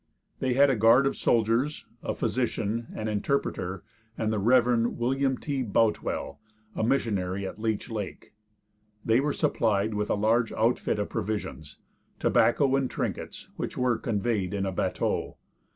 They had a guard of soldiers, a physician, an interpreter, and the Rev. William T. Boutwell, a missionary at Leech Lake. They were supplied with a large outfit of provisions, tobacco and trinkets, which were conveyed in a bateau.